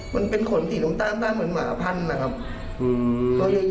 มันเป็นขนสีสงสารงั้นเนื่องหมาพันธุ์